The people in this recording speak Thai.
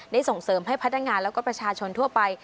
ส่งเสริมให้พนักงานแล้วก็ประชาชนทั่วไป